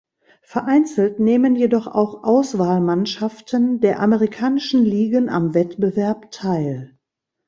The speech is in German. Vereinzelt nehmen jedoch auch Auswahlmannschaften der amerikanischen Ligen am Wettbewerb teil.